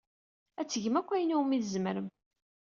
Ad tgem akk ayen umi tzemrem.